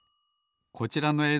こちらのえい